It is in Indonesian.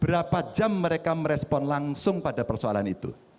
berapa jam mereka merespon langsung pada persoalan itu